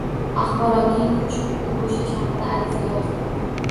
Axboroting uchun u bo'shash haqida ariza yozdi